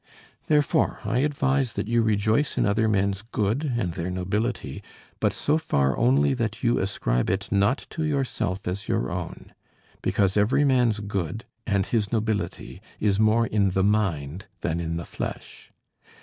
Therefore I advise that you rejoice in other men's good and their nobility, but so far only that you ascribe it not to yourself as your own; because every man's good, and his nobility, is more in the mind than in the flesh.